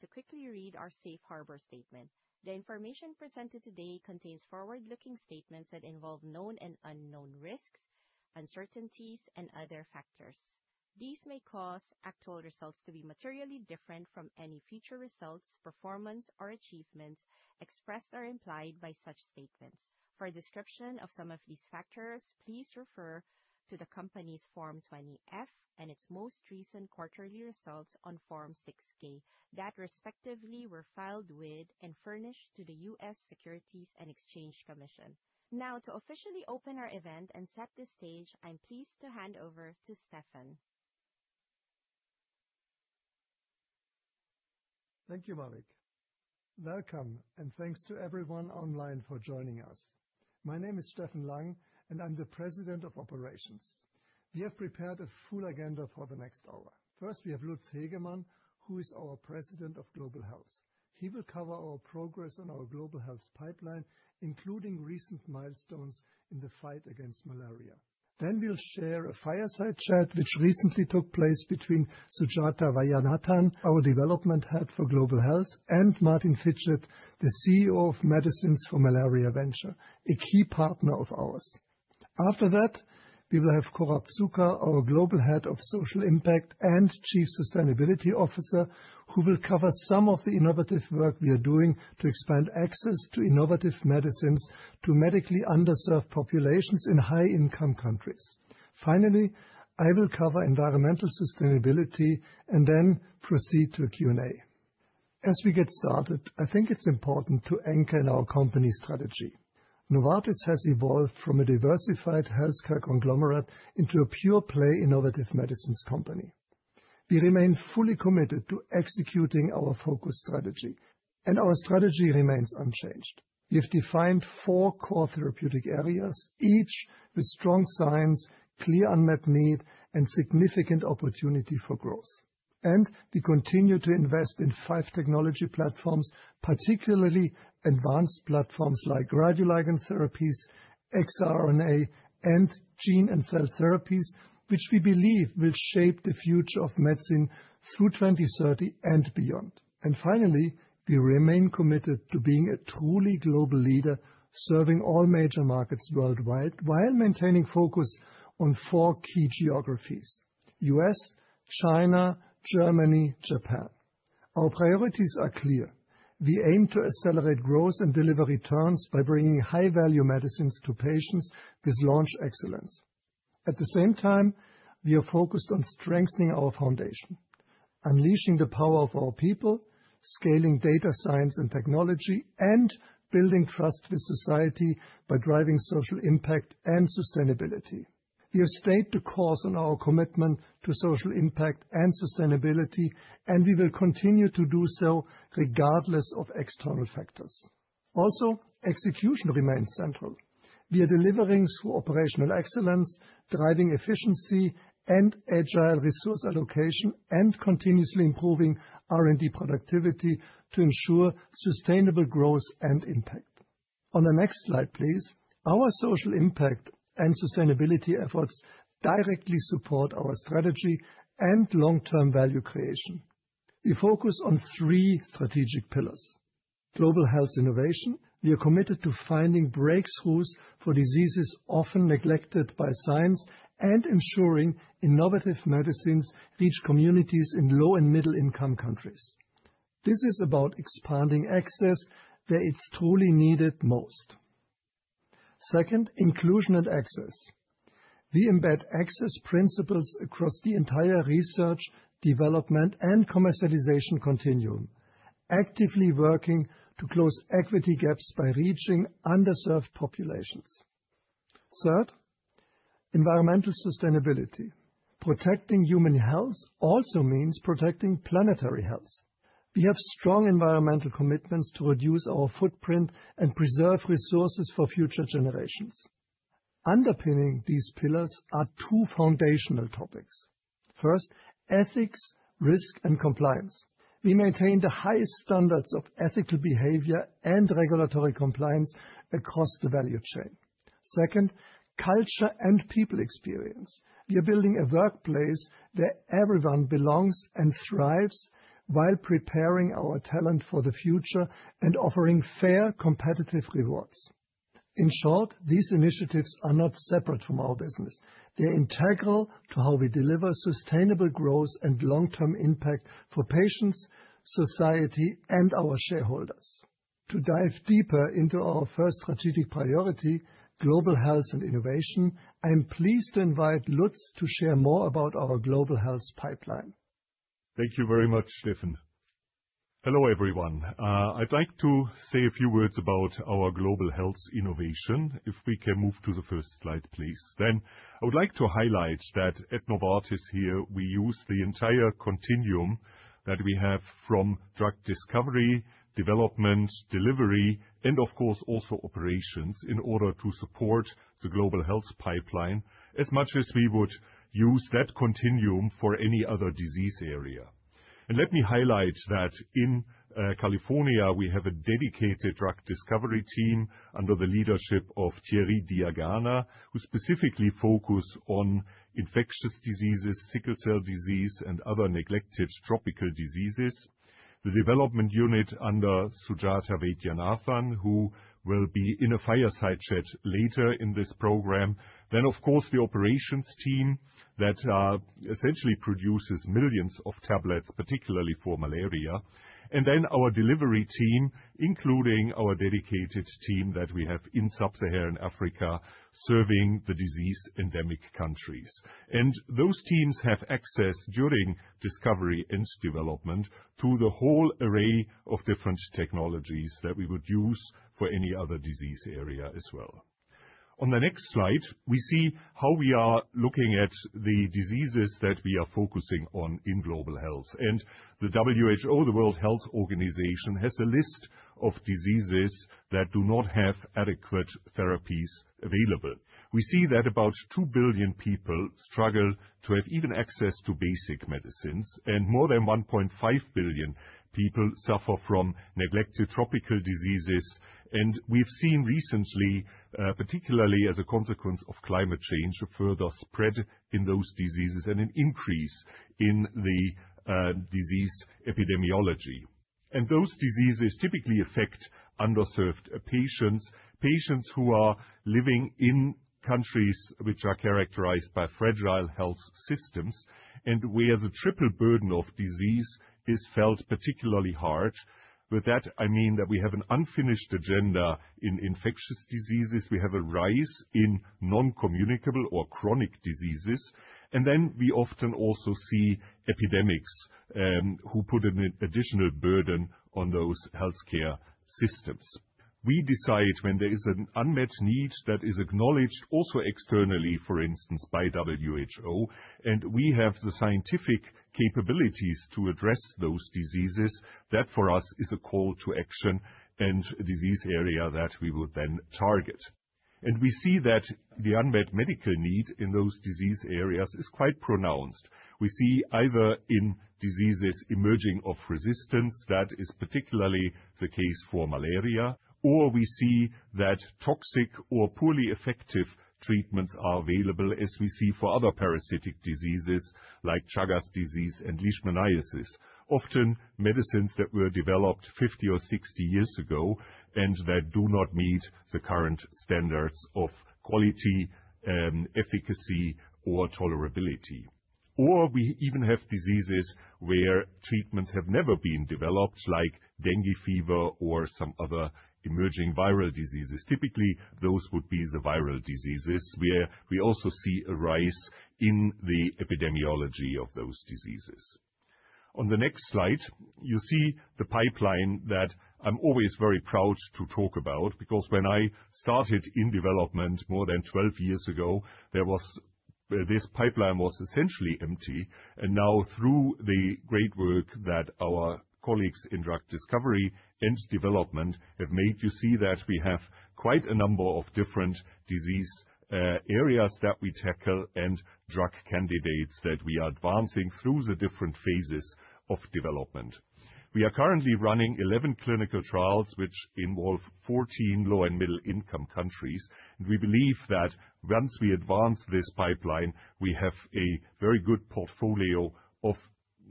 To quickly read our safe harbor statement, the information presented today contains forward-looking statements that involve known and unknown risks, uncertainties, and other factors. These may cause actual results to be materially different from any future results, performance, or achievements expressed or implied by such statements. For a description of some of these factors, please refer to the company's Form 20-F and its most recent quarterly results on Form 6-K that respectively were filed with and furnished to the U.S. Securities and Exchange Commission. Now, to officially open our event and set the stage, I'm pleased to hand over to Steffen. Thank you, Mavik. Welcome, and thanks to everyone online for joining us. My name is Steffen Lang, and I'm the President of Operations. We have prepared a full agenda for the next hour. First, we have Lutz Hegemann, who is our President of Global Health. He will cover our progress on our Global Health pipeline, including recent milestones in the fight against malaria. Next, we will share a fireside chat which recently took place between Sujata Vaidyanathan, our Development Head for Global Health, and Martin Fitchet, the CEO of Medicines for Malaria Venture, a key partner of ours. After that, we will have Korab Zuka, our Global Head of Social Impact and Chief Sustainability Officer, who will cover some of the innovative work we are doing to expand access to innovative medicines to medically underserved populations in high-income countries. Finally, I will cover environmental sustainability and then proceed to a Q&A. As we get started, I think it's important to anchor in our company strategy. Novartis has evolved from a diversified healthcare conglomerate into a pure-play innovative medicines company. We remain fully committed to executing our focus strategy, and our strategy remains unchanged. We have defined four core therapeutic areas, each with strong signs, clear unmet need, and significant opportunity for growth. We continue to invest in five technology platforms, particularly advanced platforms like radio-ligand therapies, xRNA, and gene and cell therapies, which we believe will shape the future of medicine through 2030 and beyond. Finally, we remain committed to being a truly global leader serving all major markets worldwide while maintaining focus on four key geographies: U.S., China, Germany, and Japan. Our priorities are clear. We aim to accelerate growth and deliver returns by bringing high-value medicines to patients with launch excellence. At the same time, we are focused on strengthening our foundation, unleashing the power of our people, scaling data science and technology, and building trust with society by driving social impact and sustainability. We have stayed the course on our commitment to social impact and sustainability, and we will continue to do so regardless of external factors. Also, execution remains central. We are delivering through operational excellence, driving efficiency and agile resource allocation, and continuously improving R&D productivity to ensure sustainable growth and impact. On the next slide, please. Our social impact and sustainability efforts directly support our strategy and long-term value creation. We focus on three strategic pillars: Global Health Innovation. We are committed to finding breakthroughs for diseases often neglected by science and ensuring innovative medicines reach communities in low and middle-income countries. This is about expanding access where it's truly needed most. Second, Inclusion and Access. We embed access principles across the entire research, development, and commercialization continuum, actively working to close equity gaps by reaching underserved populations. Third, Environmental Sustainability. Protecting human health also means protecting planetary health. We have strong environmental commitments to reduce our footprint and preserve resources for future generations. Underpinning these pillars are two foundational topics. First, Ethics, Risk, and Compliance. We maintain the highest standards of ethical behavior and regulatory compliance across the value chain. Second, Culture and People Experience. We are building a workplace where everyone belongs and thrives while preparing our talent for the future and offering fair, competitive rewards. In short, these initiatives are not separate from our business. They're integral to how we deliver sustainable growth and long-term impact for patients, society, and our shareholders. To dive deeper into our first strategic priority, Global Health and Innovation, I'm pleased to invite Lutz to share more about our Global Health pipeline. Thank you very much, Steffen. Hello, everyone. I'd like to say a few words about our Global Health Innovation. If we can move to the first slide, please. I would like to highlight that at Novartis here, we use the entire continuum that we have from drug discovery, development, delivery, and of course, also operations in order to support the Global Health pipeline as much as we would use that continuum for any other disease area. Let me highlight that in California, we have a dedicated drug discovery team under the leadership of Thierry Diagana, who specifically focus on infectious diseases, sickle cell disease, and other neglected tropical diseases. The development unit under Sujata Vaidyanathan, who will be in a fireside chat later in this program. Of course, the operations team essentially produces millions of tablets, particularly for malaria. Our delivery team, including our dedicated team that we have in Sub-Saharan Africa serving the disease endemic countries, has access during discovery and development to the whole array of different technologies that we would use for any other disease area as well. On the next slide, we see how we are looking at the diseases that we are focusing on in Global Health. The World Health Organization has a list of diseases that do not have adequate therapies available. We see that about 2 billion people struggle to have even access to basic medicines, and more than 1.5 billion people suffer from neglected tropical diseases. We have seen recently, particularly as a consequence of climate change, a further spread in those diseases and an increase in the disease epidemiology. Those diseases typically affect underserved patients, patients who are living in countries which are characterized by fragile health systems and where the triple burden of disease is felt particularly hard. By that, I mean that we have an unfinished agenda in infectious diseases. We have a rise in non-communicable or chronic diseases. We often also see epidemics who put an additional burden on those healthcare systems. We decide when there is an unmet need that is acknowledged also externally, for instance, by WHO, and we have the scientific capabilities to address those diseases. That for us is a call to action and a disease area that we would then target. We see that the unmet medical need in those disease areas is quite pronounced. We see either in diseases emerging of resistance. That is particularly the case for malaria, or we see that toxic or poorly effective treatments are available, as we see for other parasitic diseases like Chagas disease and leishmaniasis, often medicines that were developed 50 or 60 years ago and that do not meet the current standards of quality, efficacy, or tolerability. Or we even have diseases where treatments have never been developed, like dengue fever or some other emerging viral diseases. Typically, those would be the viral diseases where we also see a rise in the epidemiology of those diseases. On the next slide, you see the pipeline that I'm always very proud to talk about because when I started in development more than 12 years ago, this pipeline was essentially empty. Now, through the great work that our colleagues in drug discovery and development have made, you see that we have quite a number of different disease areas that we tackle and drug candidates that we are advancing through the different phases of development. We are currently running 11 clinical trials, which involve 14 low and middle-income countries. We believe that once we advance this pipeline, we have a very good portfolio of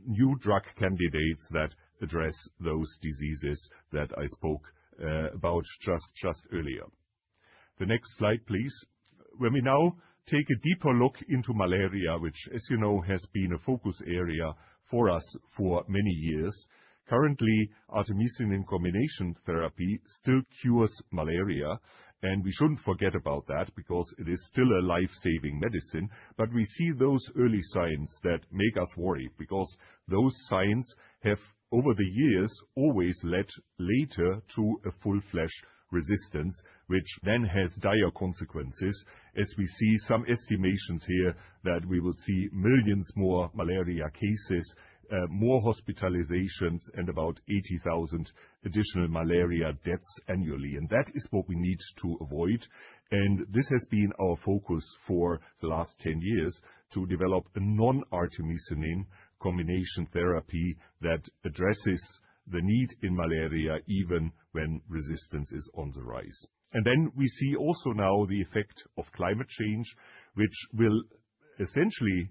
new drug candidates that address those diseases that I spoke about just earlier. The next slide, please. When we now take a deeper look into malaria, which, as you know, has been a focus area for us for many years, currently, artemisinin combination therapy still cures malaria. We should not forget about that because it is still a lifesaving medicine. We see those early signs that make us worry because those signs have, over the years, always led later to a full-fledged resistance, which then has dire consequences, as we see some estimations here that we will see millions more malaria cases, more hospitalizations, and about 80,000 additional malaria deaths annually. That is what we need to avoid. This has been our focus for the last 10 years, to develop a non-artemisinin combination therapy that addresses the need in malaria even when resistance is on the rise. We see also now the effect of climate change, which will essentially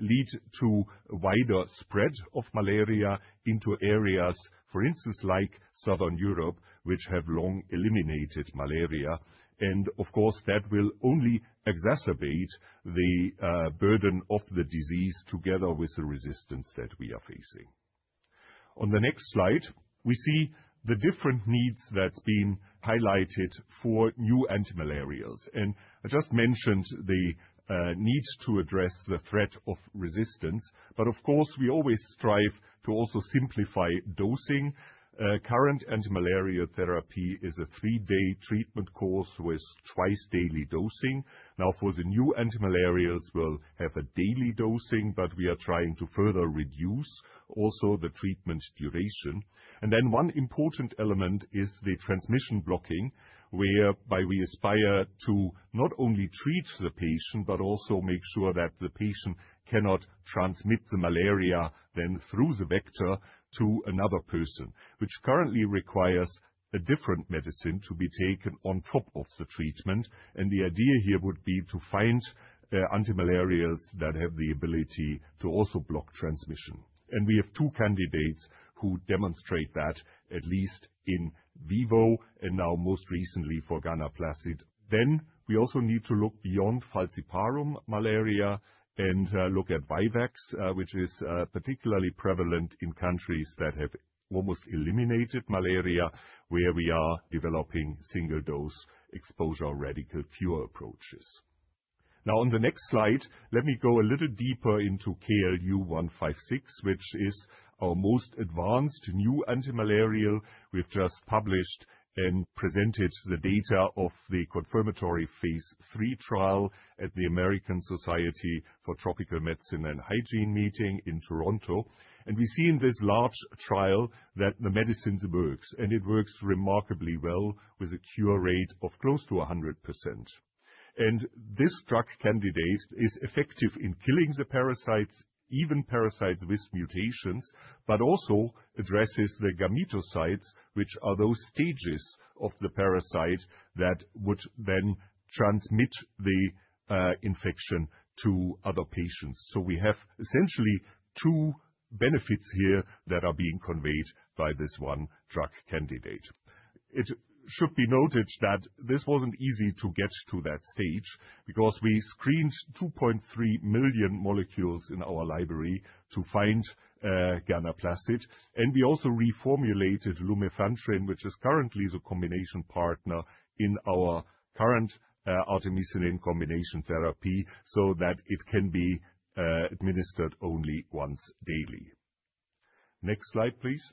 lead to a wider spread of malaria into areas, for instance, like Southern Europe, which have long eliminated malaria. Of course, that will only exacerbate the burden of the disease together with the resistance that we are facing. On the next slide, we see the different needs that have been highlighted for new antimalarials. I just mentioned the need to address the threat of resistance. Of course, we always strive to also simplify dosing. Current antimalarial therapy is a 3-day treatment course with twice-daily dosing. Now, for the new antimalarials, we'll have a daily dosing, but we are trying to further reduce also the treatment duration. One important element is the transmission blocking, whereby we aspire to not only treat the patient but also make sure that the patient cannot transmit the malaria then through the vector to another person, which currently requires a different medicine to be taken on top of the treatment. The idea here would be to find antimalarials that have the ability to also block transmission. We have two candidates who demonstrate that at least in vivo, and now most recently for ganaplacide. We also need to look beyond falciparum malaria and look at vivax, which is particularly prevalent in countries that have almost eliminated malaria, where we are developing single-dose exposure radical cure approaches. On the next slide, let me go a little deeper into KLU156, which is our most advanced new antimalarial. We have just published and presented the data of the confirmatory phase III trial at the American Society for Tropical Medicine and Hygiene meeting in Toronto. We see in this large trial that the medicine works, and it works remarkably well with a cure rate of close to 100%. This drug candidate is effective in killing the parasites, even parasites with mutations, but also addresses the gametocytes, which are those stages of the parasite that would then transmit the infection to other patients. We have essentially two benefits here that are being conveyed by this one drug candidate. It should be noted that this was not easy to get to that stage because we screened 2.3 million molecules in our library to find ganaplacide. We also reformulated lumefantrine, which is currently the combination partner in our current artemisinin combination therapy, so that it can be administered only once daily. Next slide, please.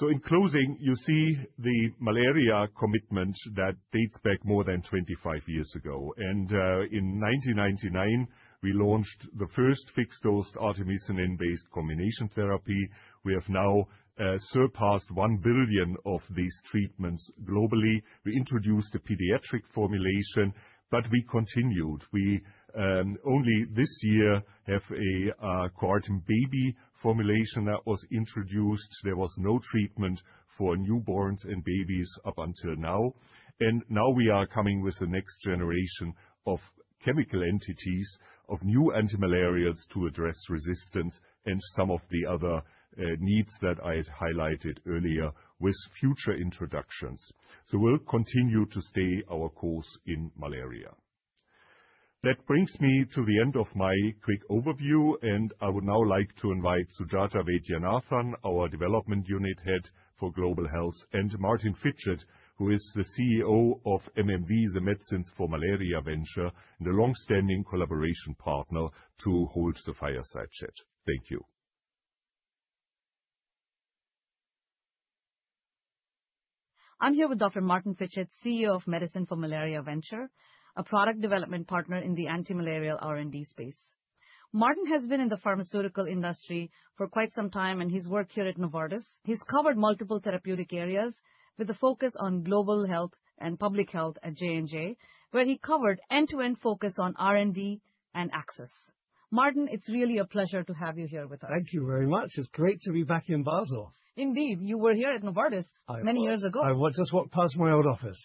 In closing, you see the malaria commitment that dates back more than 25 years ago. In 1999, we launched the first fixed-dose artemisinin-based combination therapy. We have now surpassed 1 billion of these treatments globally. We introduced a pediatric formulation, but we continued. We only this year have a Coartem Baby formulation that was introduced. There was no treatment for newborns and babies up until now. Now we are coming with the next generation of chemical entities of new antimalarials to address resistance and some of the other needs that I had highlighted earlier with future introductions. We will continue to stay our course in malaria. That brings me to the end of my quick overview, and I would now like to invite Sujata Vaidyanathan, our Development Unit Head for Global Health, and Martin Fitchet, who is the CEO of Medicines for Malaria Venture, and a longstanding collaboration partner, to hold the fireside chat. Thank you. I'm here with Dr. Martin Fitchet, CEO of Medicines for Malaria Venture, a product development partner in the antimalarial R&D space. Martin has been in the pharmaceutical industry for quite some time, and he's worked here at Novartis. He's covered multiple therapeutic areas with a focus on Global Health and public health at J&J, where he covered end-to-end focus on R&D and access. Martin, it's really a pleasure to have you here with us. Thank you very much. It's great to be back in Basel. Indeed. You were here at Novartis many years ago. I just walked past my old office.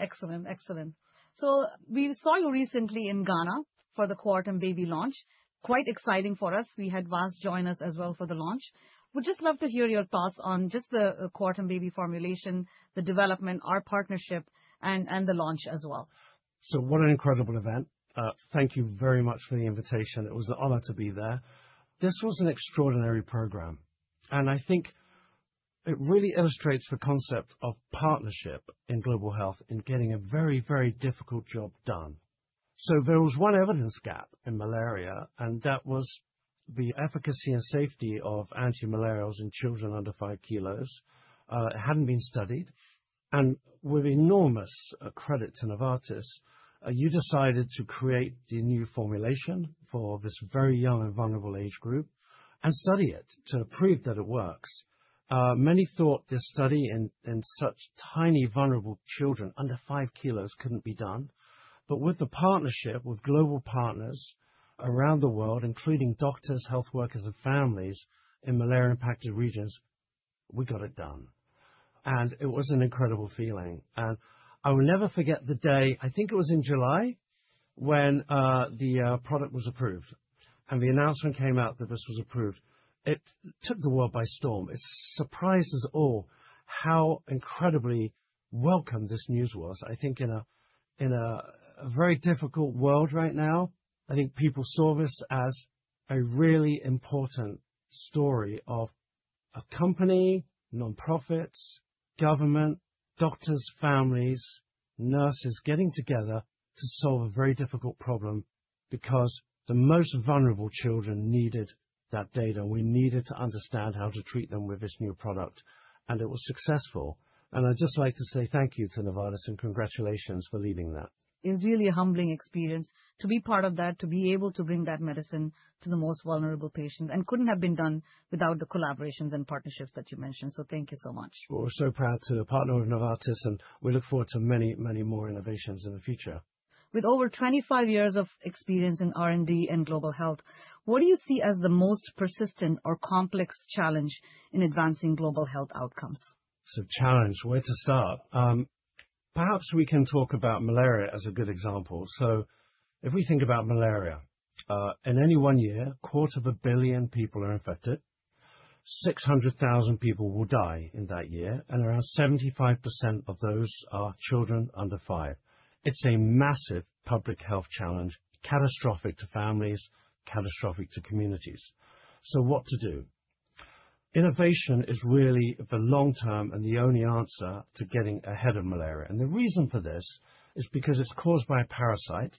Excellent. Excellent. We saw you recently in Ghana for the Coartem Baby launch. Quite exciting for us. We had Vas join us as well for the launch. We'd just love to hear your thoughts on just the Coartem Baby formulation, the development, our partnership, and the launch as well. What an incredible event. Thank you very much for the invitation. It was an honor to be there. This was an extraordinary program, and I think it really illustrates the concept of partnership in Global Health in getting a very, very difficult job done. There was one evidence gap in malaria, and that was the efficacy and safety of antimalarials in children under 5 kg. It had not been studied. With enormous credit to Novartis, you decided to create the new formulation for this very young and vulnerable age group and study it to prove that it works. Many thought this study in such tiny vulnerable children under 5 kg could not be done. With the partnership with global partners around the world, including doctors, health workers, and families in malaria-impacted regions, we got it done. It was an incredible feeling. I will never forget the day. I think it was in July when the product was approved, and the announcement came out that this was approved. It took the world by storm. It surprised us all how incredibly welcome this news was. I think in a very difficult world right now, people saw this as a really important story of a company, nonprofits, government, doctors, families, nurses getting together to solve a very difficult problem because the most vulnerable children needed that data, and we needed to understand how to treat them with this new product. It was successful. I would just like to say thank you to Novartis and congratulations for leading that. It was really a humbling experience to be part of that, to be able to bring that medicine to the most vulnerable patients. It could not have been done without the collaborations and partnerships that you mentioned. Thank you so much. We're so proud to partner with Novartis, and we look forward to many, many more innovations in the future. With over 25 years of experience in R&D and Global Health, what do you see as the most persistent or complex challenge in advancing Global Health outcomes? Challenge. Where to start? Perhaps we can talk about malaria as a good example. If we think about malaria, in any one year, a quarter of a billion people are infected. 600,000 people will die in that year, and around 75% of those are children under five. It is a massive public health challenge, catastrophic to families, catastrophic to communities. What to do? Innovation is really the long-term and the only answer to getting ahead of malaria. The reason for this is because it is caused by a parasite.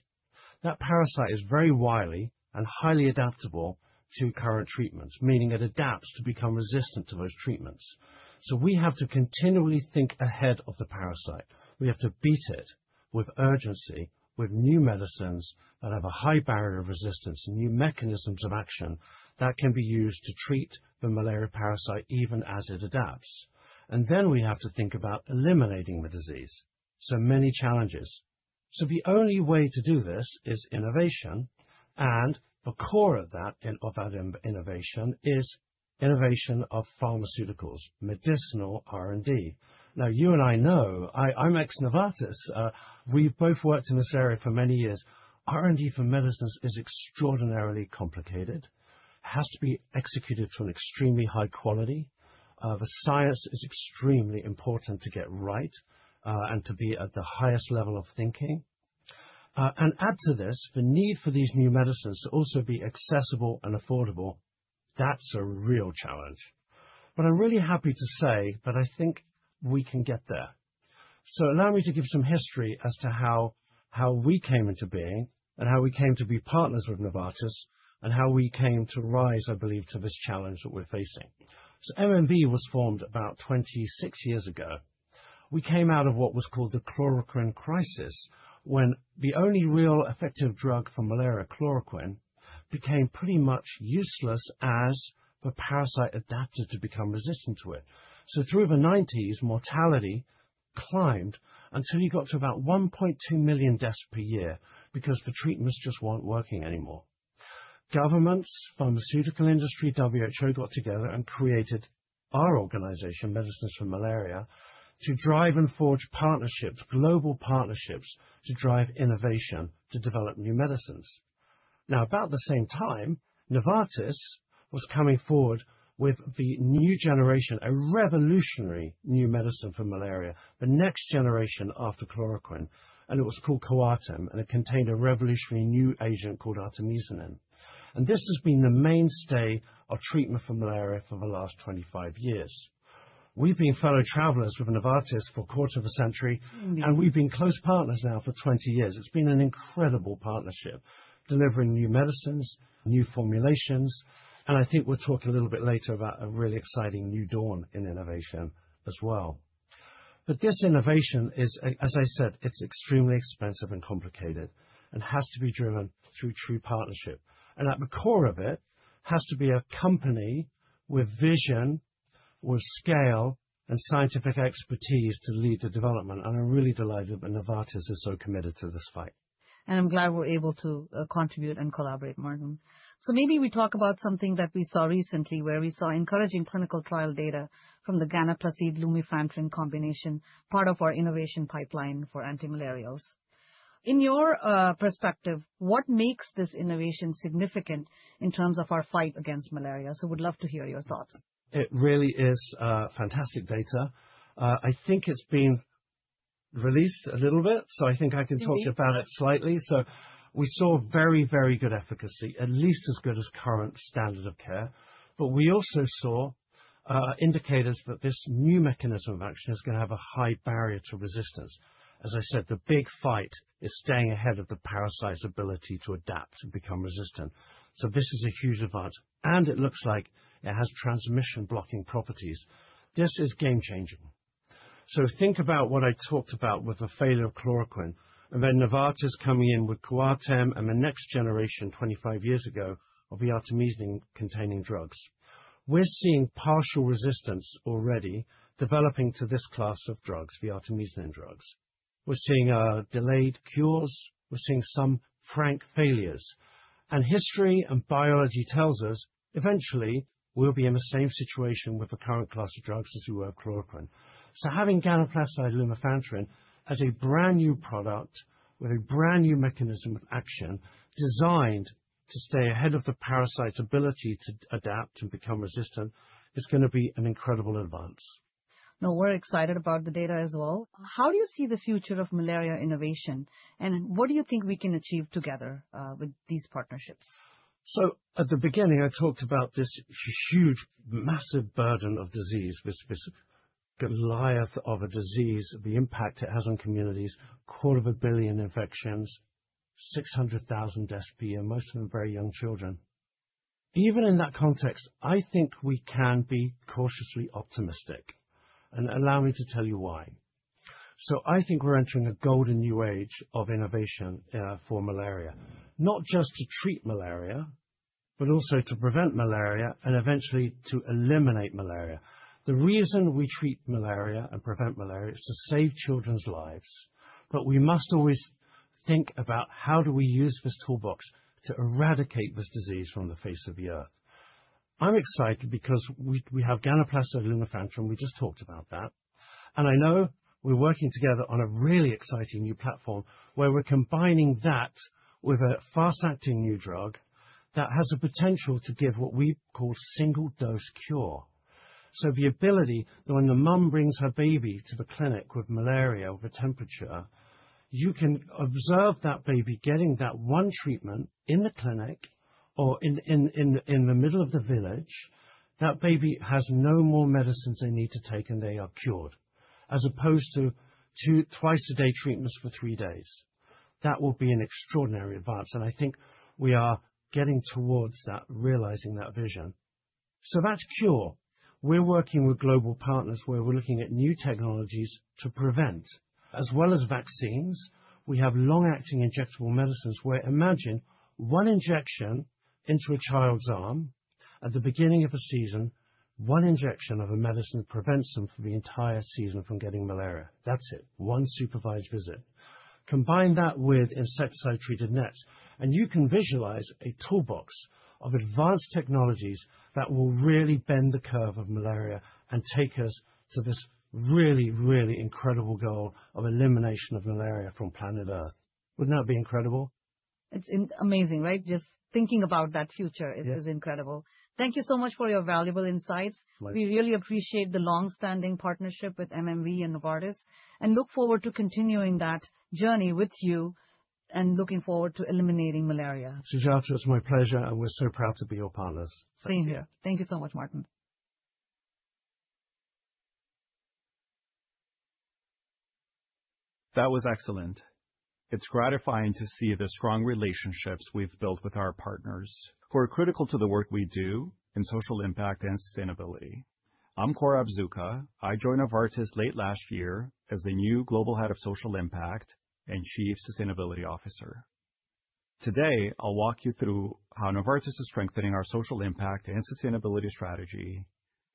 That parasite is very wily and highly adaptable to current treatments, meaning it adapts to become resistant to those treatments. We have to continually think ahead of the parasite. We have to beat it with urgency, with new medicines that have a high barrier of resistance, new mechanisms of action that can be used to treat the malaria parasite even as it adapts. We have to think about eliminating the disease. So many challenges. The only way to do this is innovation. The core of that, of that innovation, is innovation of pharmaceuticals, medicinal R&D. Now, you and I know, I'm ex-Novartis. We've both worked in this area for many years. R&D for medicines is extraordinarily complicated. It has to be executed to an extremely high quality. The science is extremely important to get right and to be at the highest level of thinking. Add to this, the need for these new medicines to also be accessible and affordable, that's a real challenge. I'm really happy to say that I think we can get there. Allow me to give some history as to how we came into being and how we came to be partners with Novartis and how we came to rise, I believe, to this challenge that we're facing. MMV was formed about 26 years ago. We came out of what was called the chloroquine crisis, when the only real effective drug for malaria, chloroquine, became pretty much useless as the parasite adapted to become resistant to it. Through the 1990s, mortality climbed until you got to about 1.2 million deaths per year because the treatments just weren't working anymore. Governments, pharmaceutical industry, WHO got together and created our organization, Medicines for Malaria, to drive and forge partnerships, global partnerships to drive innovation, to develop new medicines. Now, about the same time, Novartis was coming forward with the new generation, a revolutionary new medicine for malaria, the next generation after chloroquine. It was called Coartem, and it contained a revolutionary new agent called artemisinin. This has been the mainstay of treatment for malaria for the last 25 years. We've been fellow travelers with Novartis for a quarter of a century, and we've been close partners now for 20 years. It's been an incredible partnership, delivering new medicines, new formulations. I think we'll talk a little bit later about a really exciting new dawn in innovation as well. This innovation is, as I said, extremely expensive and complicated and has to be driven through true partnership. At the core of it has to be a company with vision, with scale, and scientific expertise to lead the development. I'm really delighted that Novartis is so committed to this fight. I'm glad we're able to contribute and collaborate, Martin. Maybe we talk about something that we saw recently, where we saw encouraging clinical trial data from the ganaplacide/lumefantrine combination, part of our innovation pipeline for antimalarials. In your perspective, what makes this innovation significant in terms of our fight against malaria? We'd love to hear your thoughts. It really is fantastic data. I think it's been released a little bit, so I think I can talk about it slightly. We saw very, very good efficacy, at least as good as current standard of care. We also saw indicators that this new mechanism of action is going to have a high barrier to resistance. As I said, the big fight is staying ahead of the parasite's ability to adapt and become resistant. This is a huge advance. It looks like it has transmission-blocking properties. This is game-changing. Think about what I talked about with the failure of chloroquine, and then Novartis coming in with Coartem and the next generation 25 years ago of the artemisinin-containing drugs. We're seeing partial resistance already developing to this class of drugs, the artemisinin drugs. We're seeing delayed cures. We're seeing some frank failures. History and biology tells us eventually we'll be in the same situation with the current class of drugs as we were with chloroquine. So having ganaplacide/lumefantrine as a brand new product with a brand new mechanism of action designed to stay ahead of the parasite's ability to adapt and become resistant is going to be an incredible advance. Now, we're excited about the data as well. How do you see the future of malaria innovation, and what do you think we can achieve together with these partnerships? At the beginning, I talked about this huge, massive burden of disease, this goliath of a disease, the impact it has on communities, a quarter of a billion infections, 600,000 deaths per year, most of them very young children. Even in that context, I think we can be cautiously optimistic. Allow me to tell you why. I think we're entering a golden new age of innovation for malaria, not just to treat malaria, but also to prevent malaria and eventually to eliminate malaria. The reason we treat malaria and prevent malaria is to save children's lives, but we must always think about how do we use this toolbox to eradicate this disease from the face of the earth. I'm excited because we have ganaplacide/lumefantrine. We just talked about that. I know we're working together on a really exciting new platform where we're combining that with a fast-acting new drug that has the potential to give what we call single-dose cure. The ability that when the mum brings her baby to the clinic with malaria or the temperature, you can observe that baby getting that one treatment in the clinic or in the middle of the village. That baby has no more medicines they need to take, and they are cured, as opposed to twice-a-day treatments for three days. That will be an extraordinary advance. I think we are getting towards that, realizing that vision. That's cure. We're working with global partners where we're looking at new technologies to prevent, as well as vaccines. We have long-acting injectable medicines where imagine one injection into a child's arm at the beginning of a season, one injection of a medicine prevents them for the entire season from getting malaria. That's it. One supervised visit. Combine that with insecticide-treated nets, and you can visualize a toolbox of advanced technologies that will really bend the curve of malaria and take us to this really, really incredible goal of elimination of malaria from planet Earth. Wouldn't that be incredible? It's amazing, right? Just thinking about that future is incredible. Thank you so much for your valuable insights. We really appreciate the long-standing partnership with MMV and Novartis and look forward to continuing that journey with you and looking forward to eliminating malaria. Sujata, it's my pleasure, and we're so proud to be your partners. Same here. Thank you so much, Martin. That was excellent. It's gratifying to see the strong relationships we've built with our partners who are critical to the work we do in social impact and sustainability. I'm Korab Zuka. I joined Novartis late last year as the new Global Head of Social Impact and Chief Sustainability Officer. Today, I'll walk you through how Novartis is strengthening our social impact and sustainability strategy,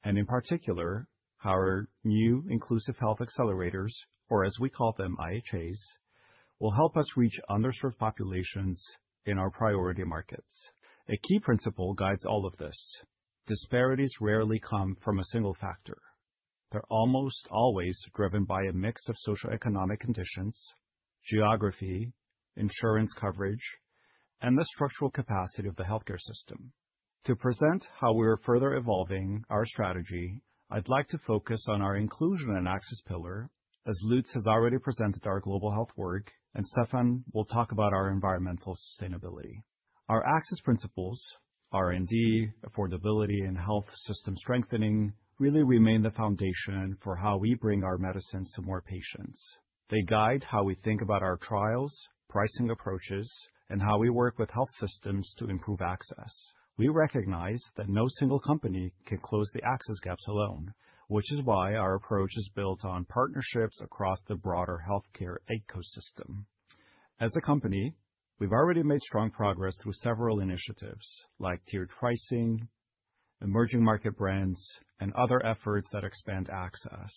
and in particular, how our new Inclusive Health Accelerators, or as we call them, IHAs, will help us reach underserved populations in our priority markets. A key principle guides all of this: disparities rarely come from a single factor. They're almost always driven by a mix of socioeconomic conditions, geography, insurance coverage, and the structural capacity of the healthcare system. To present how we are further evolving our strategy, I'd like to focus on our inclusion and access pillar, as Lutz has already presented our Global Health work, and Steffen will talk about our environmental sustainability. Our access principles, R&D, affordability, and health system strengthening really remain the foundation for how we bring our medicines to more patients. They guide how we think about our trials, pricing approaches, and how we work with health systems to improve access. We recognize that no single company can close the access gaps alone, which is why our approach is built on partnerships across the broader healthcare ecosystem. As a company, we've already made strong progress through several initiatives like tiered pricing, emerging market brands, and other efforts that expand access.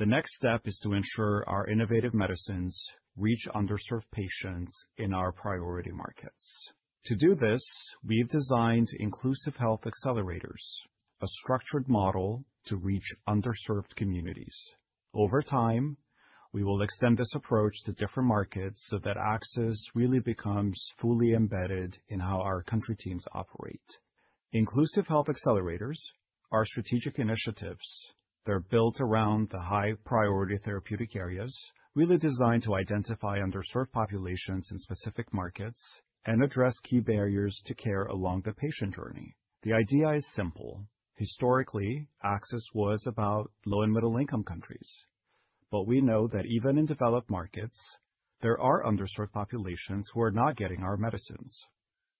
The next step is to ensure our innovative medicines reach underserved patients in our priority markets. To do this, we've designed Inclusive Health Accelerators, a structured model to reach underserved communities. Over time, we will extend this approach to different markets so that access really becomes fully embedded in how our country teams operate. Inclusive Health Accelerators are strategic initiatives that are built around the high-priority therapeutic areas, really designed to identify underserved populations in specific markets and address key barriers to care along the patient journey. The idea is simple. Historically, access was about low and middle-income countries. We know that even in developed markets, there are underserved populations who are not getting our medicines.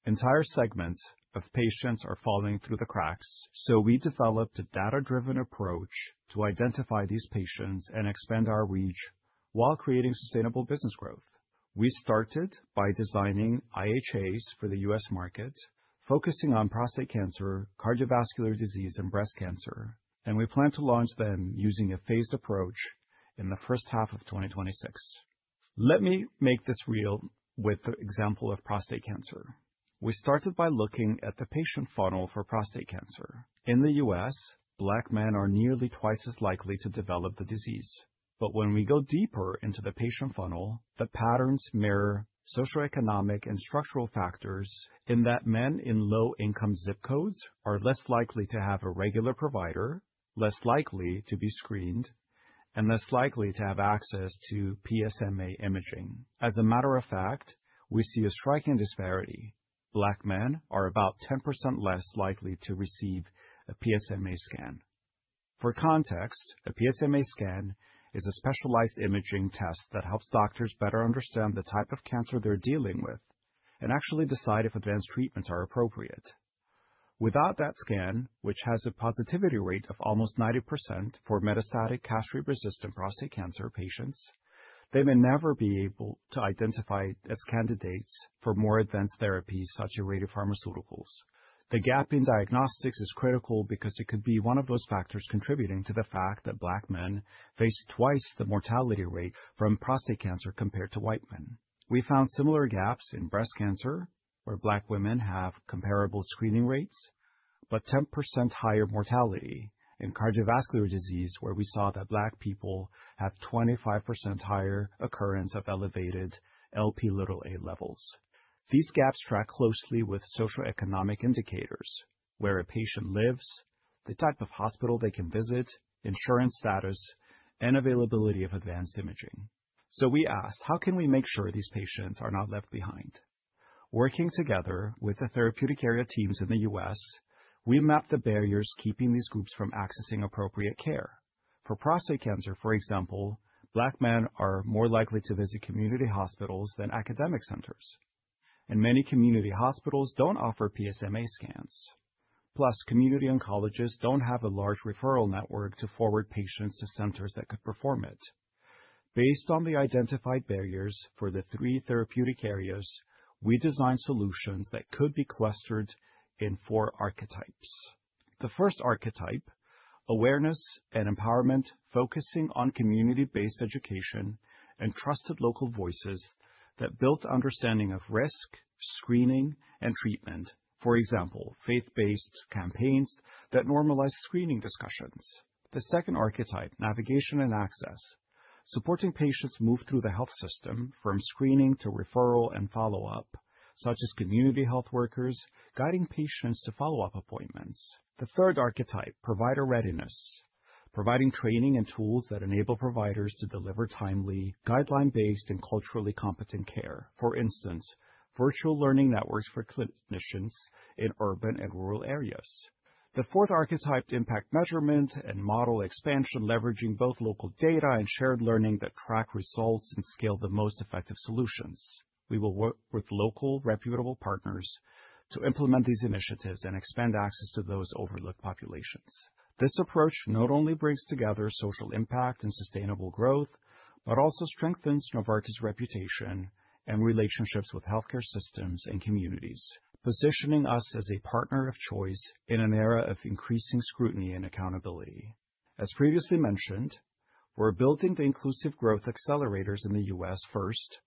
Entire segments of patients are falling through the cracks. We developed a data-driven approach to identify these patients and expand our reach while creating sustainable business growth. We started by designing IHAs for the U.S. Market, focusing on prostate cancer, cardiovascular disease, and breast cancer. We plan to launch them using a phased approach in the first half of 2026. Let me make this real with the example of prostate cancer. We started by looking at the patient funnel for prostate cancer. In the U.S., Black men are nearly twice as likely to develop the disease. When we go deeper into the patient funnel, the patterns mirror socioeconomic and structural factors in that men in low-income zip codes are less likely to have a regular provider, less likely to be screened, and less likely to have access to PSMA imaging. As a matter of fact, we see a striking disparity. Black men are about 10% less likely to receive a PSMA scan. For context, a PSMA scan is a specialized imaging test that helps doctors better understand the type of cancer they're dealing with and actually decide if advanced treatments are appropriate. Without that scan, which has a positivity rate of almost 90% for metastatic castrate-resistant prostate cancer patients, they may never be able to identify as candidates for more advanced therapies such as radiopharmaceuticals. The gap in diagnostics is critical because it could be one of those factors contributing to the fact that Black men face twice the mortality rate from prostate cancer compared to white men. We found similar gaps in breast cancer, where Black women have comparable screening rates, but 10% higher mortality in cardiovascular disease, where we saw that Black people have 25% higher occurrence of elevated Lp(a) levels. These gaps track closely with socioeconomic indicators, where a patient lives, the type of hospital they can visit, insurance status, and availability of advanced imaging. We asked, how can we make sure these patients are not left behind? Working together with the therapeutic area teams in the U.S., we mapped the barriers keeping these groups from accessing appropriate care. For prostate cancer, for example, Black men are more likely to visit community hospitals than academic centers. Many community hospitals do not offer PSMA scans. Plus, community oncologists do not have a large referral network to forward patients to centers that could perform it. Based on the identified barriers for the three therapeutic areas, we designed solutions that could be clustered in four archetypes. The first archetype, awareness and empowerment, focusing on community-based education and trusted local voices that built understanding of risk, screening, and treatment. For example, faith-based campaigns that normalize screening discussions. The second archetype, navigation and access, supporting patients move through the health system from screening to referral and follow-up, such as community health workers guiding patients to follow-up appointments. The third archetype, provider readiness, providing training and tools that enable providers to deliver timely, guideline-based, and culturally competent care. For instance, virtual learning networks for clinicians in urban and rural areas. The fourth archetype, impact measurement and model expansion, leveraging both local data and shared learning that track results and scale the most effective solutions. We will work with local, reputable partners to implement these initiatives and expand access to those overlooked populations. This approach not only brings together social impact and sustainable growth, but also strengthens Novartis' reputation and relationships with healthcare systems and communities, positioning us as a partner of choice in an era of increasing scrutiny and accountability. As previously mentioned, we're building the inclusive growth accelerators in the U.S. first,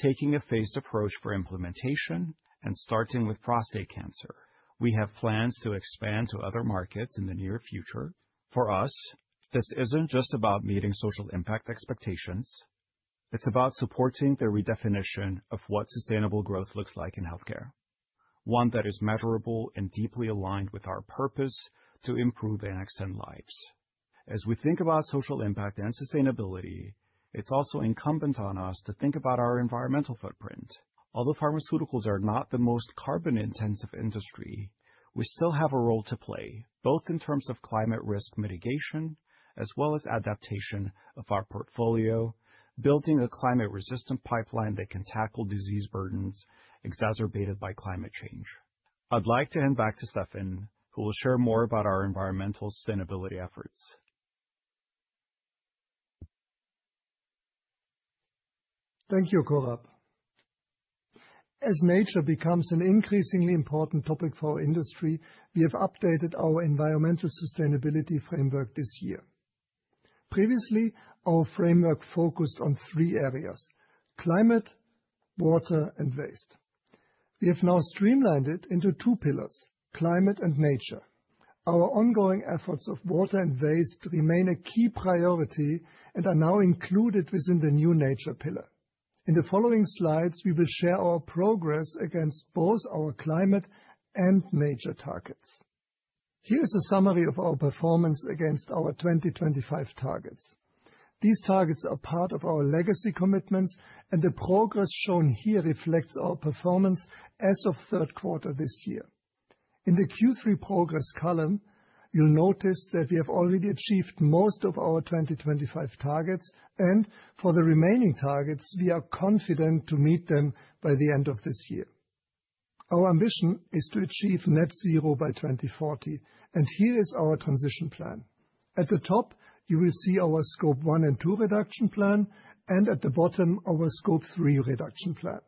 taking a phased approach for implementation and starting with prostate cancer. We have plans to expand to other markets in the near future. For us, this isn't just about meeting social impact expectations. It's about supporting the redefinition of what sustainable growth looks like in healthcare, one that is measurable and deeply aligned with our purpose to improve and extend lives. As we think about social impact and sustainability, it's also incumbent on us to think about our environmental footprint. Although pharmaceuticals are not the most carbon-intensive industry, we still have a role to play, both in terms of climate risk mitigation as well as adaptation of our portfolio, building a climate-resistant pipeline that can tackle disease burdens exacerbated by climate change. I'd like to hand back to Steffen, who will share more about our environmental sustainability efforts. Thank you, Korab. As nature becomes an increasingly important topic for our industry, we have updated our environmental sustainability framework this year. Previously, our framework focused on three areas: climate, water, and waste. We have now streamlined it into two pillars: climate and nature. Our ongoing efforts of water and waste remain a key priority and are now included within the new nature pillar. In the following slides, we will share our progress against both our climate and nature targets. Here is a summary of our performance against our 2025 targets. These targets are part of our legacy commitments, and the progress shown here reflects our performance as of third quarter this year. In the Q3 progress column, you'll notice that we have already achieved most of our 2025 targets, and for the remaining targets, we are confident to meet them by the end of this year. Our ambition is to achieve net zero by 2040, and here is our transition plan. At the top, you will see our scope 1 and 2 reduction plan, and at the bottom, our scope 3 reduction plan.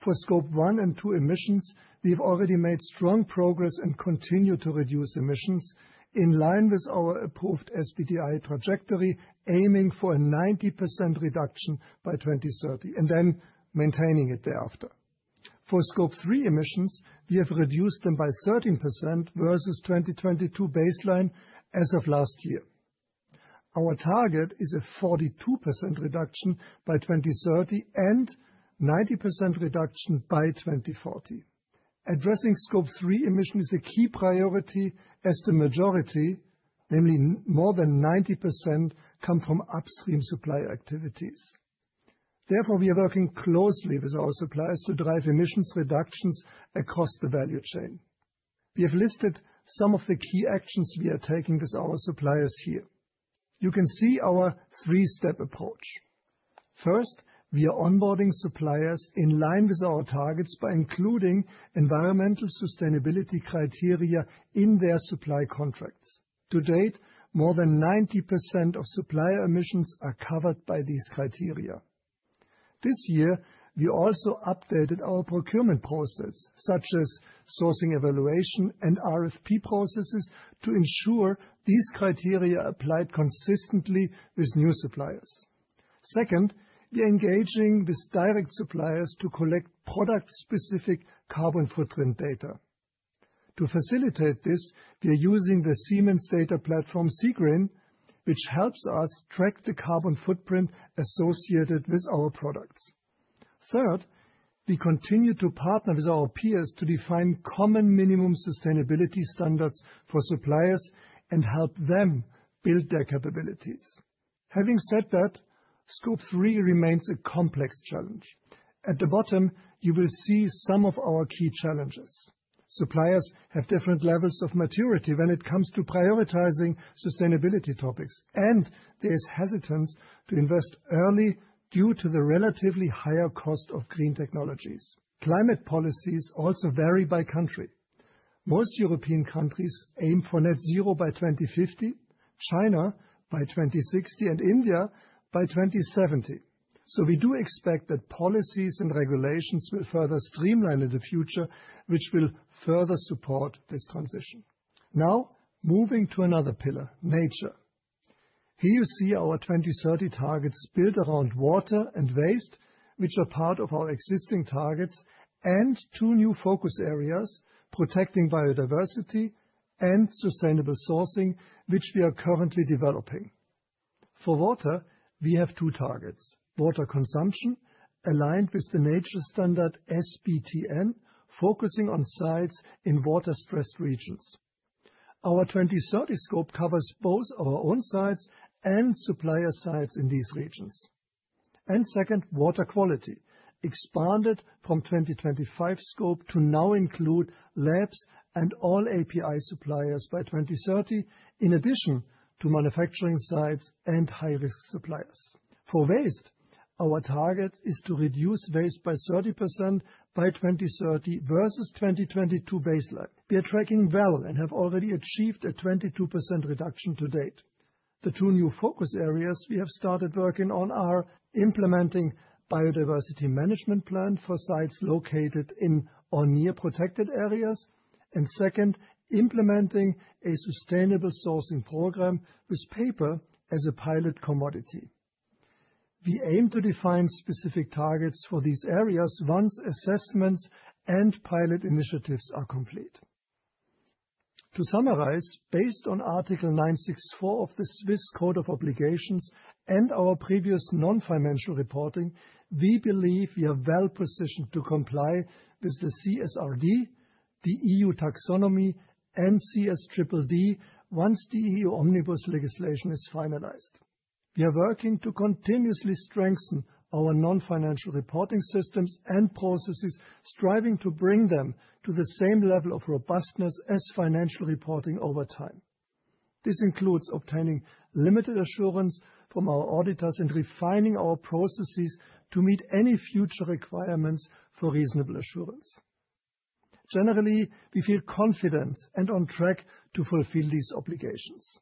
For scope 1 and 2 emissions, we've already made strong progress and continue to reduce emissions in line with our approved SBTi trajectory, aiming for a 90% reduction by 2030 and then maintaining it thereafter. For scope 3 emissions, we have reduced them by 13% versus 2022 baseline as of last year. Our target is a 42% reduction by 2030 and 90% reduction by 2040. Addressing scope 3 emissions is a key priority as the majority, namely more than 90%, come from upstream supply activities. Therefore, we are working closely with our suppliers to drive emissions reductions across the value chain. We have listed some of the key actions we are taking with our suppliers here. You can see our three-step approach. First, we are onboarding suppliers in line with our targets by including environmental sustainability criteria in their supply contracts. To date, more than 90% of supplier emissions are covered by these criteria. This year, we also updated our procurement process, such as sourcing evaluation and RFP processes, to ensure these criteria applied consistently with new suppliers. Second, we are engaging with direct suppliers to collect product-specific carbon footprint data. To facilitate this, we are using the Siemens data platform, SiGREEN, which helps us track the carbon footprint associated with our products. Third, we continue to partner with our peers to define common minimum sustainability standards for suppliers and help them build their capabilities. Having said that, scope 3 remains a complex challenge. At the bottom, you will see some of our key challenges. Suppliers have different levels of maturity when it comes to prioritizing sustainability topics, and there is hesitance to invest early due to the relatively higher cost of green technologies. Climate policies also vary by country. Most European countries aim for net zero by 2050, China by 2060, and India by 2070. We do expect that policies and regulations will further streamline in the future, which will further support this transition. Now, moving to another pillar, nature. Here you see our 2030 targets built around water and waste, which are part of our existing targets, and two new focus areas, protecting biodiversity and sustainable sourcing, which we are currently developing. For water, we have two targets: water consumption, aligned with the nature standard SBTN, focusing on sites in water-stressed regions. Our 2030 scope covers both our own sites and supplier sites in these regions. Second, water quality, expanded from 2025 scope to now include labs and all API suppliers by 2030, in addition to manufacturing sites and high-risk suppliers. For waste, our target is to reduce waste by 30% by 2030 versus 2022 baseline. We are tracking well and have already achieved a 22% reduction to date. The two new focus areas we have started working on are implementing a biodiversity management plan for sites located in or near protected areas, and implementing a sustainable sourcing program with paper as a pilot commodity. We aim to define specific targets for these areas once assessments and pilot initiatives are complete. To summarize, based on Article 964 of the Swiss Code of Obligations and our previous non-financial reporting, we believe we are well positioned to comply with the CSRD, the EU Taxonomy, and CSDDD once the EU Omnibus legislation is finalized. We are working to continuously strengthen our non-financial reporting systems and processes, striving to bring them to the same level of robustness as financial reporting over time. This includes obtaining limited assurance from our auditors and refining our processes to meet any future requirements for reasonable assurance. Generally, we feel confident and on track to fulfill these obligations.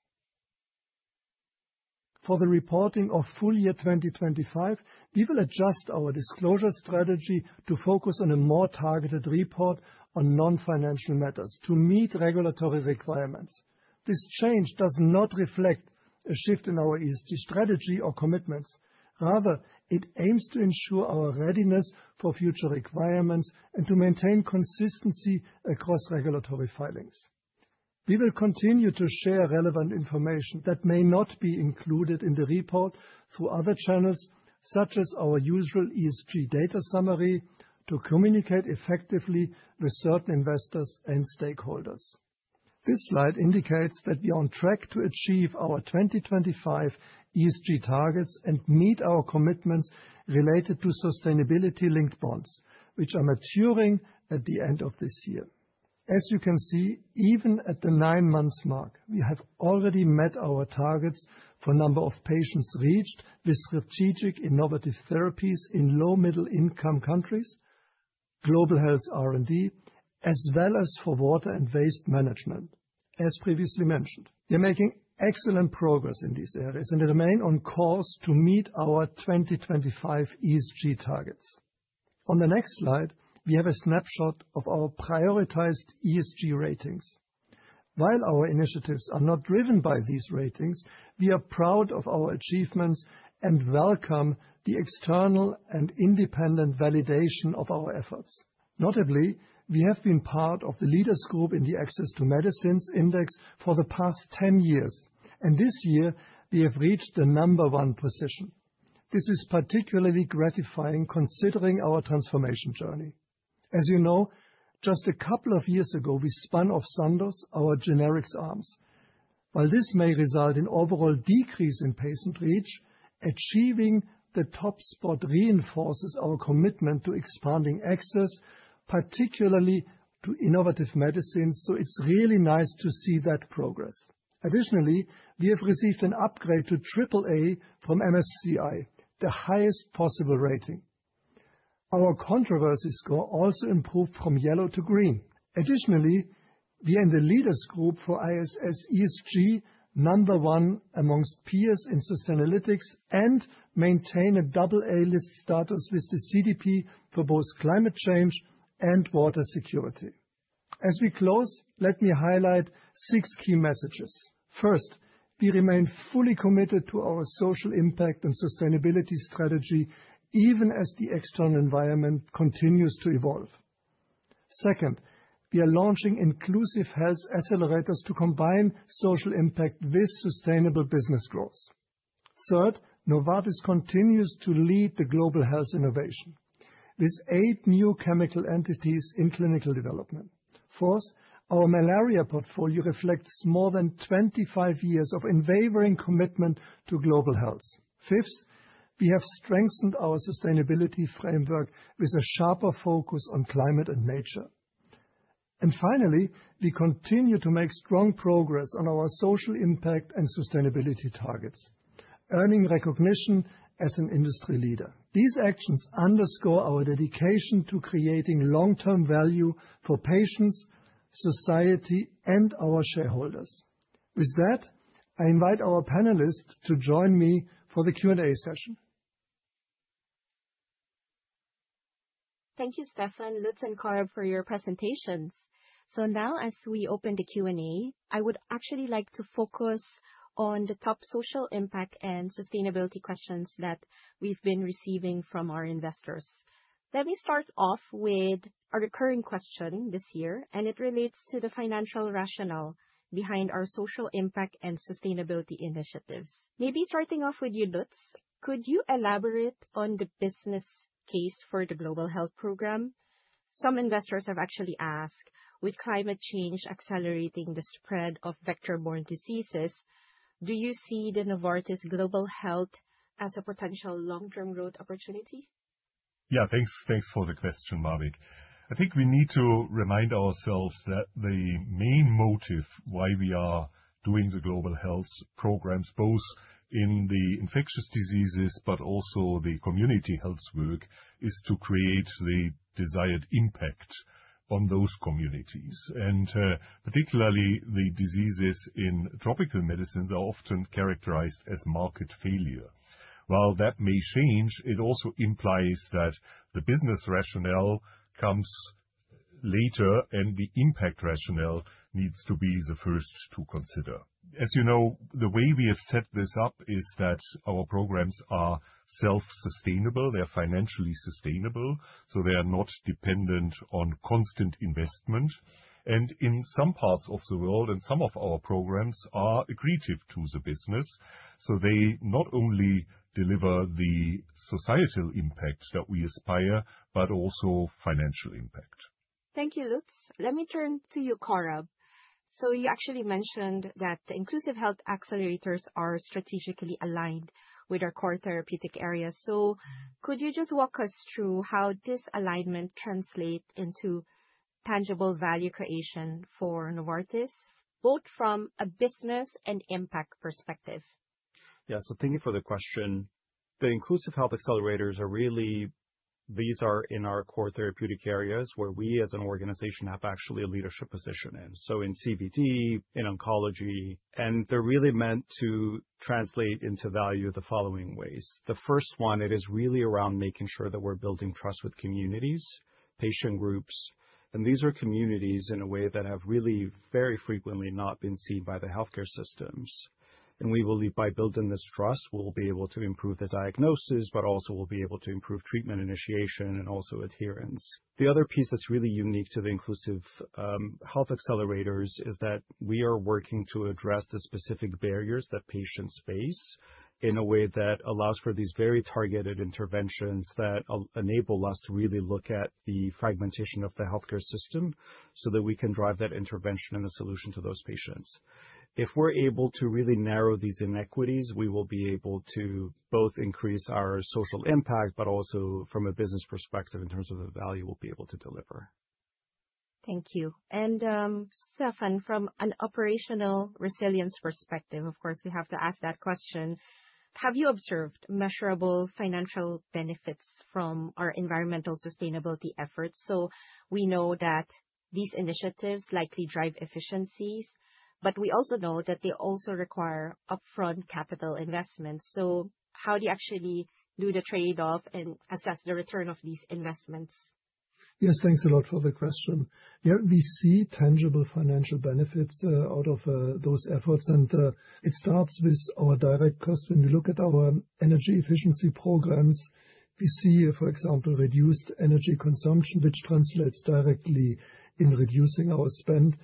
For the reporting of full-year 2025, we will adjust our disclosure strategy to focus on a more targeted report on non-financial matters to meet regulatory requirements. This change does not reflect a shift in our ESG strategy or commitments. Rather, it aims to ensure our readiness for future requirements and to maintain consistency across regulatory filings. We will continue to share relevant information that may not be included in the report through other channels, such as our usual ESG data summary, to communicate effectively with certain investors and stakeholders. This slide indicates that we are on track to achieve our 2025 ESG targets and meet our commitments related to sustainability-linked bonds, which are maturing at the end of this year. As you can see, even at the 9-month mark, we have already met our targets for the number of patients reached with strategic innovative therapies in low-middle-income countries, Global Health R&D, as well as for water and waste management, as previously mentioned. We are making excellent progress in these areas and remain on course to meet our 2025 ESG targets. On the next slide, we have a snapshot of our prioritized ESG ratings. While our initiatives are not driven by these ratings, we are proud of our achievements and welcome the external and independent validation of our efforts. Notably, we have been part of the leaders' group in the Access to Medicines Index for the past 10 years, and this year, we have reached the number one position. This is particularly gratifying considering our transformation journey. As you know, just a couple of years ago, we spun off Sandoz, our generics arms. While this may result in an overall decrease in patient reach, achieving the top spot reinforces our commitment to expanding access, particularly to innovative medicines, so it's really nice to see that progress. Additionally, we have received an upgrade to AAA from MSCI, the highest possible rating. Our controversy score also improved from yellow to green. Additionally, we are in the leaders' group for ISS ESG, number one amongst peers in sustainability and maintain a Double A List status with the CDP for both climate change and water security. As we close, let me highlight six key messages. First, we remain fully committed to our social impact and sustainability strategy, even as the external environment continues to evolve. Second, we are launching Inclusive Health Accelerators to combine social impact with sustainable business growth. Third, Novartis continues to lead the Global Health innovation with eight new chemical entities in clinical development. Fourth, our malaria portfolio reflects more than 25 years of unwavering commitment to Global Health. Fifth, we have strengthened our sustainability framework with a sharper focus on climate and nature. Finally, we continue to make strong progress on our social impact and sustainability targets, earning recognition as an industry leader. These actions underscore our dedication to creating long-term value for patients, society, and our shareholders. With that, I invite our panelists to join me for the Q&A session. Thank you, Steffen, Lutz, and Korab for your presentations. As we open the Q&A, I would actually like to focus on the top social impact and sustainability questions that we've been receiving from our investors. Let me start off with a recurring question this year, and it relates to the financial rationale behind our social impact and sustainability initiatives. Maybe starting off with you, Lutz, could you elaborate on the business case for the Global Health program? Some investors have actually asked, with climate change accelerating the spread of vector-borne diseases, do you see the Novartis Global Health as a potential long-term growth opportunity? Yeah, thanks for the question, Mavik. I think we need to remind ourselves that the main motive why we are doing the Global Health programs, both in the infectious diseases but also the community health work, is to create the desired impact on those communities. Particularly, the diseases in tropical medicines are often characterized as market failure. While that may change, it also implies that the business rationale comes later, and the impact rationale needs to be the first to consider. As you know, the way we have set this up is that our programs are self-sustainable. They're financially sustainable, so they are not dependent on constant investment. In some parts of the world, some of our programs are accretive to the business, so they not only deliver the societal impact that we aspire but also financial impact. Thank you, Lutz. Let me turn to you, Korab. You actually mentioned that the Inclusive Health Accelerators are strategically aligned with our core therapeutic areas. Could you just walk us through how this alignment translates into tangible value creation for Novartis, both from a business and impact perspective? Yeah, thank you for the question. The Inclusive Health Accelerators are really these are in our core therapeutic areas where we, as an organization, have actually a leadership position in. In CVD, in oncology, and they're really meant to translate into value the following ways. The first one, it is really around making sure that we're building trust with communities, patient groups, and these are communities in a way that have really very frequently not been seen by the healthcare systems. We believe by building this trust, we'll be able to improve the diagnosis, but also we'll be able to improve treatment initiation and also adherence. The other piece that's really unique to the Inclusive Health Accelerators is that we are working to address the specific barriers that patients face in a way that allows for these very targeted interventions that enable us to really look at the fragmentation of the healthcare system so that we can drive that intervention and a solution to those patients. If we're able to really narrow these inequities, we will be able to both increase our social impact, but also from a business perspective in terms of the value we'll be able to deliver. Thank you. Steffen, from an operational resilience perspective, of course, we have to ask that question. Have you observed measurable financial benefits from our environmental sustainability efforts? We know that these initiatives likely drive efficiencies, but we also know that they also require upfront capital investments. How do you actually do the trade-off and assess the return of these investments? Yes, thanks a lot for the question. Yeah, we see tangible financial benefits out of those efforts, and it starts with our direct cost. When we look at our energy efficiency programs, we see, for example, reduced energy consumption, which translates directly in reducing our spend.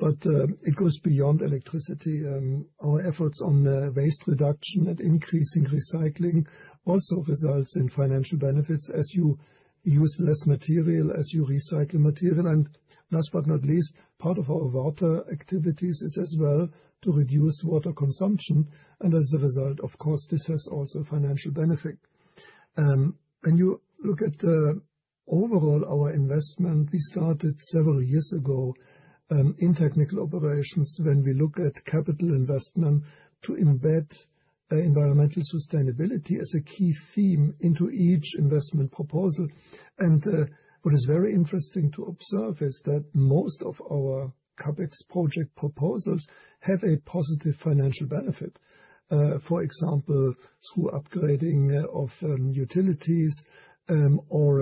It goes beyond electricity. Our efforts on waste reduction and increasing recycling also result in financial benefits as you use less material, as you recycle material. Last but not least, part of our water activities is as well to reduce water consumption. As a result, of course, this has also a financial benefit. When you look at overall our investment, we started several years ago in technical operations when we look at capital investment to embed environmental sustainability as a key theme into each investment proposal. What is very interesting to observe is that most of our CapEx project proposals have a positive financial benefit, for example, through upgrading of utilities or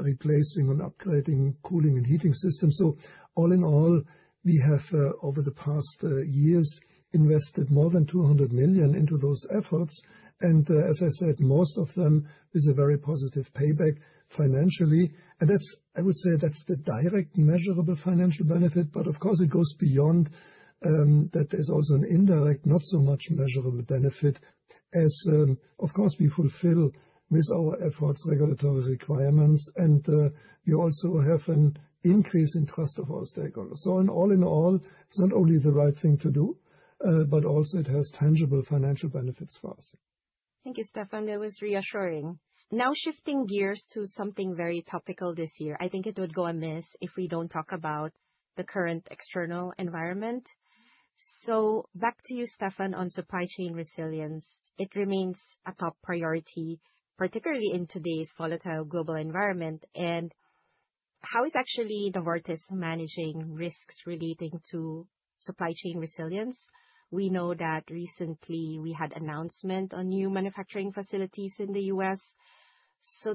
replacing and upgrading cooling and heating systems. All in all, we have over the past years invested more than $200 million into those efforts. As I said, most of them is a very positive payback financially. I would say that's the direct measurable financial benefit, but of course, it goes beyond that. There is also an indirect, not so much measurable benefit as, of course, we fulfill with our efforts regulatory requirements, and we also have an increase in trust of our stakeholders. All in all, it's not only the right thing to do, but also it has tangible financial benefits for us. Thank you, Steffen. That was reassuring. Now shifting gears to something very topical this year, I think it would go amiss if we do not talk about the current external environment. Back to you, Steffen, on supply chain resilience. It remains a top priority, particularly in today's volatile global environment. How is actually Novartis managing risks relating to supply chain resilience? We know that recently we had an announcement on new manufacturing facilities in the U.S.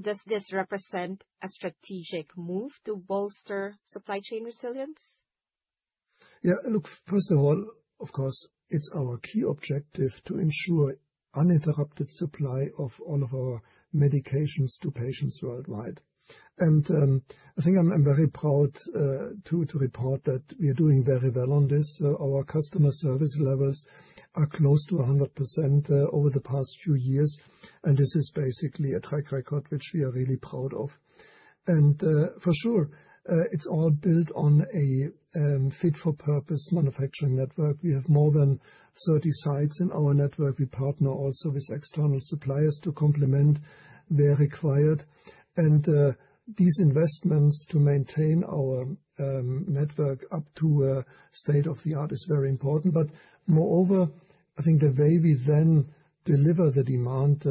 Does this represent a strategic move to bolster supply chain resilience? Yeah, look, first of all, of course, it's our key objective to ensure uninterrupted supply of all of our medications to patients worldwide. I think I'm very proud to report that we are doing very well on this. Our customer service levels are close to 100% over the past few years, and this is basically a track record which we are really proud of. For sure, it's all built on a fit-for-purpose manufacturing network. We have more than 30 sites in our network. We partner also with external suppliers to complement where required. These investments to maintain our network up to state-of-the-art is very important. Moreover, I think the way we then deliver the demand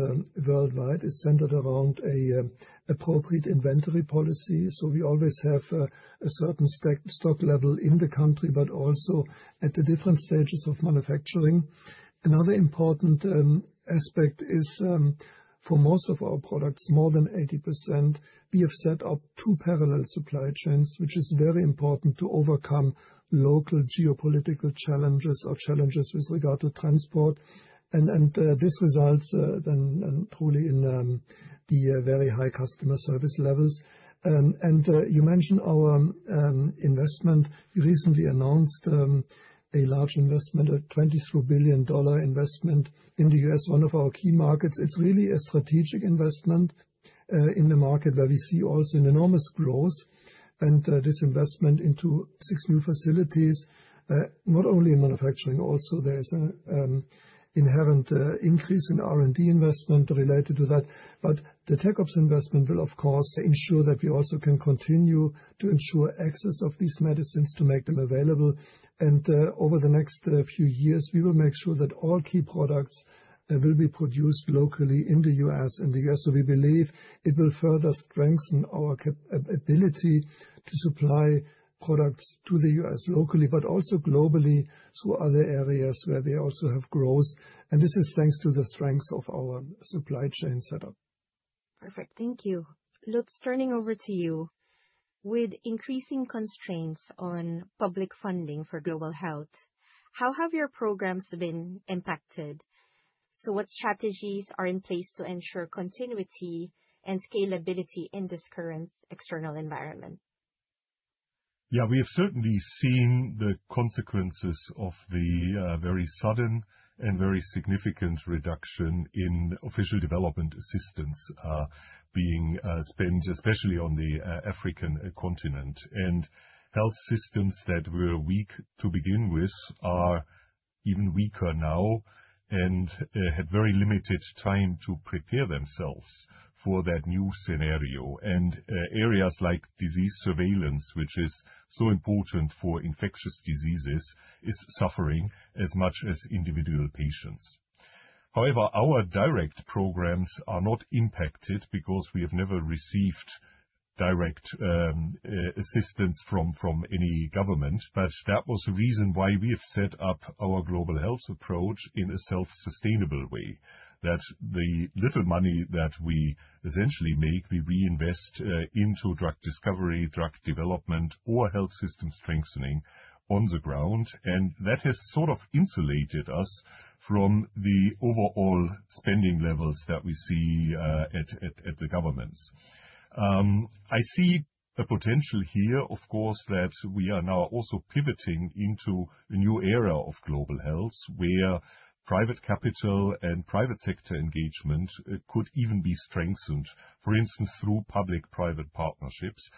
worldwide is centered around an appropriate inventory policy. We always have a certain stock level in the country, but also at the different stages of manufacturing. Another important aspect is for most of our products, more than 80%, we have set up two parallel supply chains, which is very important to overcome local geopolitical challenges or challenges with regard to transport. This results then truly in the very high customer service levels. You mentioned our investment. We recently announced a large investment, a $23 billion investment in the U.S., one of our key markets. It is really a strategic investment in the market where we see also an enormous growth. This investment into six new facilities, not only in manufacturing, also there is an inherent increase in R&D investment related to that. The tech ops investment will, of course, ensure that we also can continue to ensure access of these medicines to make them available. Over the next few years, we will make sure that all key products will be produced locally in the U.S. and the U.S. We believe it will further strengthen our ability to supply products to the U.S. locally, but also globally through other areas where we also have growth. This is thanks to the strength of our supply chain setup. Perfect. Thank you. Lutz, turning over to you. With increasing constraints on public funding for Global Health, how have your programs been impacted? What strategies are in place to ensure continuity and scalability in this current external environment? Yeah, we have certainly seen the consequences of the very sudden and very significant reduction in official development assistance being spent, especially on the African continent. Health systems that were weak to begin with are even weaker now and have very limited time to prepare themselves for that new scenario. Areas like disease surveillance, which is so important for infectious diseases, are suffering as much as individual patients. However, our direct programs are not impacted because we have never received direct assistance from any government. That was the reason why we have set up our Global Health approach in a self-sustainable way, that the little money that we essentially make, we reinvest into drug discovery, drug development, or health system strengthening on the ground. That has sort of insulated us from the overall spending levels that we see at the governments. I see a potential here, of course, that we are now also pivoting into a new era of Global Health where private capital and private sector engagement could even be strengthened, for instance, through public-private partnerships.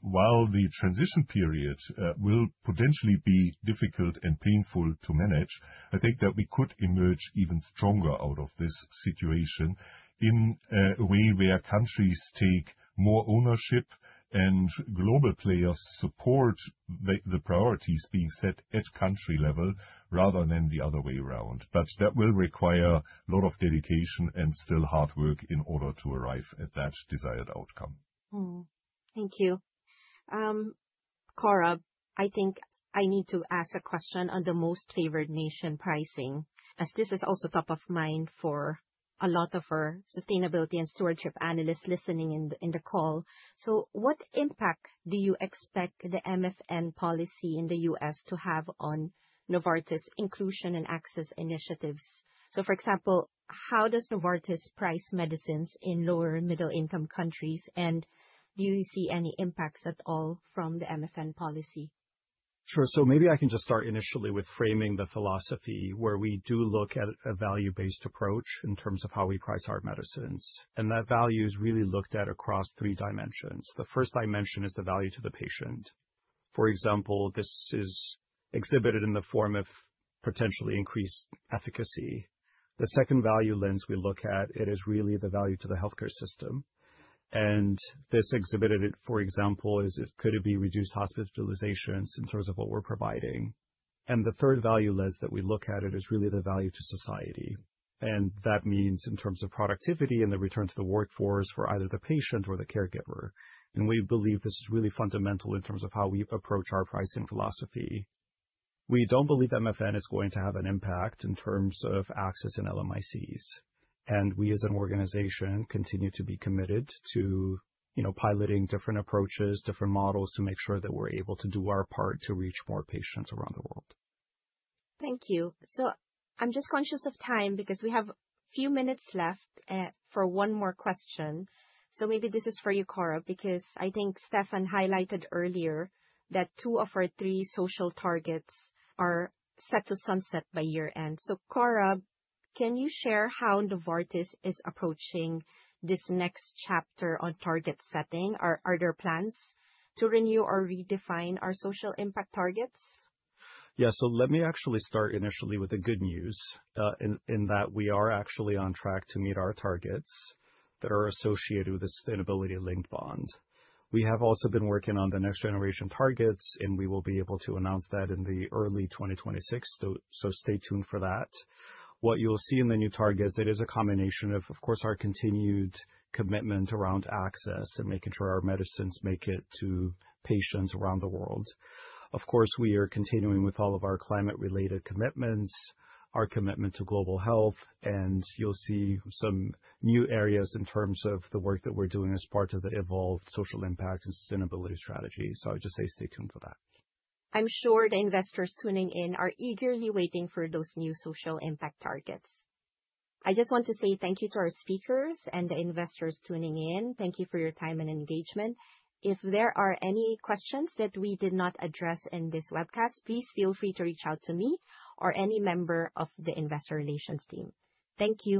While the transition period will potentially be difficult and painful to manage, I think that we could emerge even stronger out of this situation in a way where countries take more ownership and global players support the priorities being set at country level rather than the other way around. That will require a lot of dedication and still hard work in order to arrive at that desired outcome. Thank you. Korab, I think I need to ask a question on the most favored nation pricing, as this is also top of mind for a lot of our sustainability and stewardship analysts listening in the call. What impact do you expect the MFN policy in the U.S. to have on Novartis' inclusion and access initiatives? For example, how does Novartis price medicines in lower middle-income countries, and do you see any impacts at all from the MFN policy? Sure. Maybe I can just start initially with framing the philosophy where we do look at a value-based approach in terms of how we price our medicines. That value is really looked at across three dimensions. The first dimension is the value to the patient. For example, this is exhibited in the form of potentially increased efficacy. The second value lens we look at is really the value to the healthcare system. This is exhibited, for example, as it could be reduced hospitalizations in terms of what we're providing. The third value lens that we look at is really the value to society. That means in terms of productivity and the return to the workforce for either the patient or the caregiver. We believe this is really fundamental in terms of how we approach our pricing philosophy. We don't believe MFN is going to have an impact in terms of access and LMICs. We, as an organization, continue to be committed to piloting different approaches, different models to make sure that we're able to do our part to reach more patients around the world. Thank you. I'm just conscious of time because we have a few minutes left for one more question. Maybe this is for you, Korab, because I think Steffen highlighted earlier that two of our three social targets are set to sunset by year-end. Korab, can you share how Novartis is approaching this next chapter on target setting? Are there plans to renew or redefine our social impact targets? Yeah, so let me actually start initially with the good news in that we are actually on track to meet our targets that are associated with the sustainability-linked bond. We have also been working on the next generation targets, and we will be able to announce that in early 2026. Stay tuned for that. What you'll see in the new targets, it is a combination of, of course, our continued commitment around access and making sure our medicines make it to patients around the world. Of course, we are continuing with all of our climate-related commitments, our commitment to Global Health, and you'll see some new areas in terms of the work that we're doing as part of the evolved social impact and sustainability strategy. I would just say stay tuned for that. I'm sure the investors tuning in are eagerly waiting for those new social impact targets. I just want to say thank you to our speakers and the investors tuning in. Thank you for your time and engagement. If there are any questions that we did not address in this webcast, please feel free to reach out to me or any member of the investor relations team. Thank you.